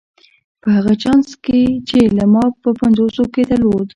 په هغه چانس کې چې ما په پنځوسو کې درلود.